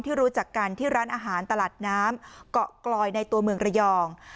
รู้จักกันที่ร้านอาหารตลาดน้ำเกาะกลอยในตัวเมืองระยอง